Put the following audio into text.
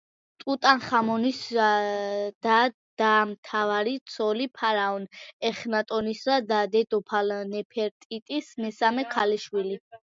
ტუტანხამონის და და მთავარი ცოლი, ფარაონ ეხნატონისა და დედოფალ ნეფერტიტის მესამე ქალიშვილი.